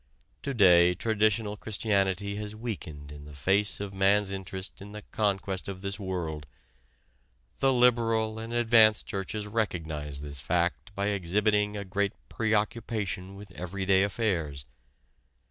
To day traditional Christianity has weakened in the face of man's interest in the conquest of this world. The liberal and advanced churches recognize this fact by exhibiting a great preoccupation with everyday affairs.